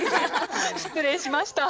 失礼しました。